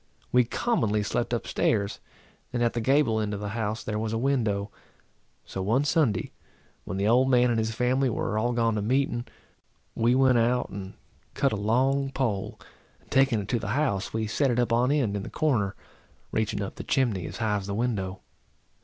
We commonly slept up stairs, and at the gable end of the house there was a window. So one Sunday, when the old man and his family were all gone to meeting, we went out and cut a long pole, and, taking it to the house, we set it up on end in the corner, reaching up the chimney as high as the window.